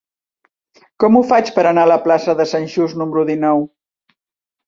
Com ho faig per anar a la plaça de Sant Just número dinou?